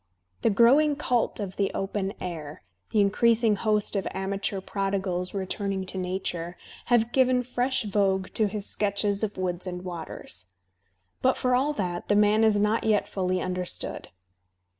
The growing cult of the open air, the increasing host of amateur prodigals returning to nature, have given fresh vogue to his sketches of woods and waters. But, for all that, the man is not yet fully understood.